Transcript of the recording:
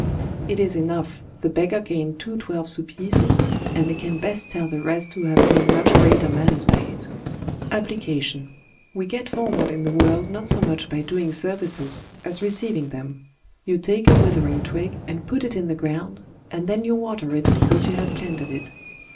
It is enough, the beggar gained two twelve sous pieces, and they can best tell the rest who have gained much greater matters by it APPLICATION We get forward in the world not so much by doing serv ices as receiving them. You take a withering twig and put it in the ground, and then you water it because you have planted it.